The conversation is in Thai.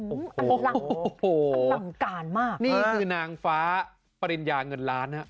โอ้โหนี่คือนางฟ้าปริญญาเงินล้าน